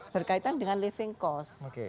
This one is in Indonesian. berkaitan dengan living cost